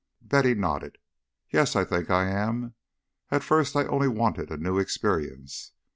Betty nodded. "Yes, I think I am. At first I only wanted a new experience.